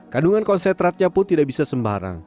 kandungan konsentratnya pun tidak bisa sembarang